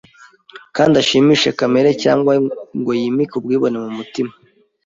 kandi ashimishe kamere cyangwa ngo yimike ubwibone mu mutima.